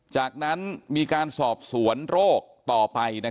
จากนั้นมีการสอบสวนโรคต่อไป